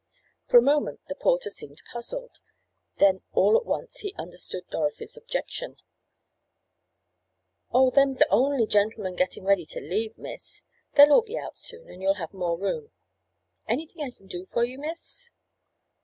For a moment the porter seemed puzzled. Then, all at once, he understood Dorothy's objection. "Oh, them's only the gentlemen gettin' ready to leave, miss. They'll all be out soon, and you'll have more room. Anything I can do for you, miss?"